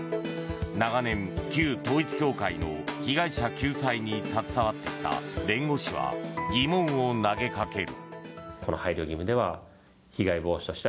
長年、旧統一教会の被害者救済に携わってきた弁護士は疑問を投げかける。